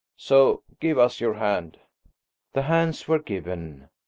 So give us your hand." The hands were given.